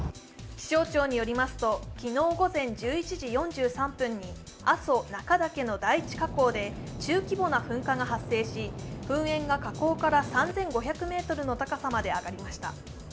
気象庁によりますと、昨日午前１１時４３分に阿蘇中岳の第一火口で中規模な噴火が発生し噴煙が火口から３５００ｍの高さまで上がりました。